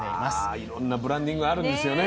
いろんなブランディングあるんですよね。